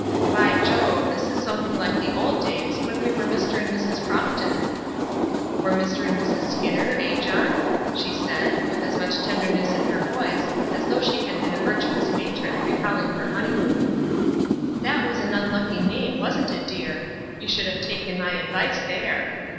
"By Jove, this is something like the old days, when we were Mr. and Mrs. Crofton." "Or Mr. and Mrs. Skinner, eh, John?" she said, with as much tenderness in her voice as though she had been a virtuous matron recalling her honeymoon. "That was an unlucky name, wasn't it, dear? You should have taken my advice there."